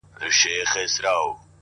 نظم د بریا بنسټ دی.!